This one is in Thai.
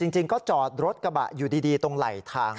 จริงก็จอดรถกระบะอยู่ดีตรงไหลทาง